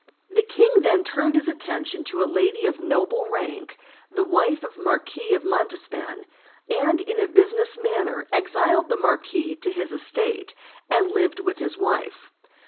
The king then turned his attention to a lady of noble rank, the wife of the Marquis of Montespan, and in a business manner exiled the marquis to his estate, and lived with his wife.